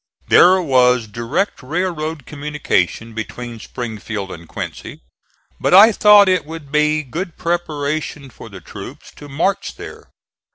There was direct railroad communication between Springfield and Quincy, but I thought it would be good preparation for the troops to march there.